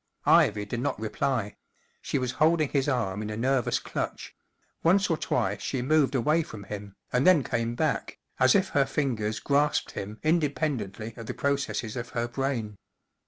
Ivy did not reply ; she was holding his arm in a nervous clutch ; once or twice she moved away from him, and then came back, as if her fingers grasped him independently of the processes 0f her brain.